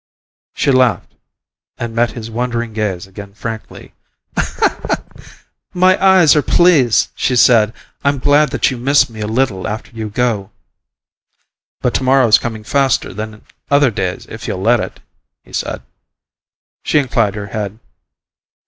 She laughed and met his wondering gaze again frankly. "My eyes are pleased," she said. "I'm glad that you miss me a little after you go." "But to morrow's coming faster than other days if you'll let it," he said. She inclined her head.